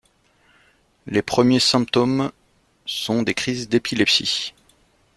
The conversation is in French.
Les premiers symptômes sont des crises d’épilepsies.